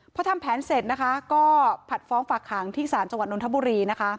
พอทำแผนเสร็จนะคะก็ผัดฟ้องฝากขังที่ศาลจังหวัดนทบุรีนะคะ